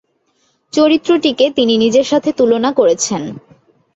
চরিত্রটিকে তিনি নিজের সাথে তুলনা করেছেন।